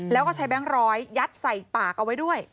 แล้วก็ใช้แบงค์ร้อยยัดใส่ปากเอาไว้ด้วย